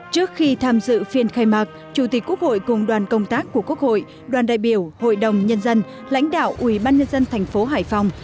trước khi tham dự phiên khai mạc chủ tịch quốc hội cùng đoàn công tác của quốc hội đoàn đại biểu hội đồng nhân dân lãnh đạo ubnd thành phố hải phòng